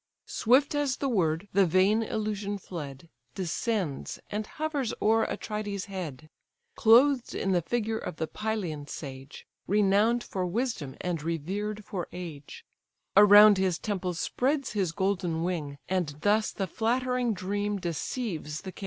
Swift as the word the vain illusion fled, Descends, and hovers o'er Atrides' head; Clothed in the figure of the Pylian sage, Renown'd for wisdom, and revered for age: Around his temples spreads his golden wing, And thus the flattering dream deceives the king.